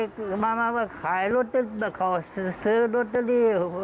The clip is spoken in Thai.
เขามาขายรถขอซื้อรถเตอรี่